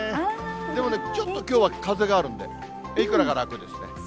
でもね、ちょっと、きょうは風があるんで、いくらか楽ですね。